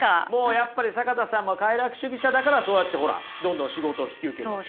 やっぱり坂田さんは快楽主義者だからそうやってほらどんどん仕事を引き受けるわけですよ。